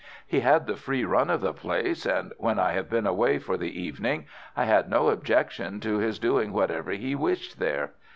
He had the free run of the place, and when I have been away for the evening I had no objection to his doing whatever he wished here.